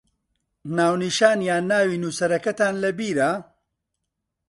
ناونیشان یان ناوی نووسەرەکەتان لەبیرە؟